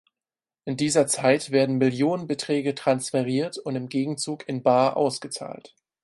In dieser Zeit werden Millionenbeträge transferiert und im Gegenzug in bar ausgezahlt.